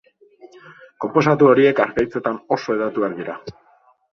Konposatu horiek harkaitzetan oso hedatuak dira.